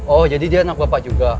oh jadi dia anak bapak juga